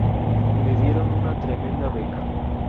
Me dieron una tremenda beca.